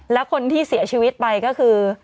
และคนที่เสียชีวิตไปก็คือ